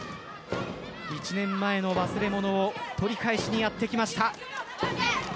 １年前の忘れ物を取り返しにやってきました。